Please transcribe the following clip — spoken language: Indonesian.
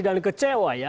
dan kecewa ya